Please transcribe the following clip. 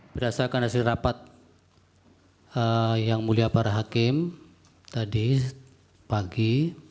berdasarkan hasil rapat yang mulia para hakim tadi pagi